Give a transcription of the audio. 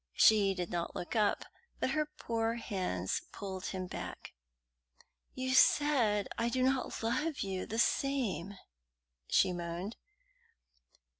She did not look up, but her poor hands pulled him back. "You said I do not love you the same!" she moaned.